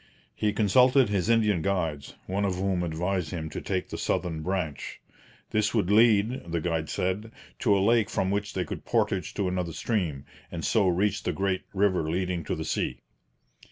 He consulted his Indian guides, one of whom advised him to take the southern branch. This would lead, the guide said, to a lake from which they could portage to another stream, and so reach the great river leading to the sea.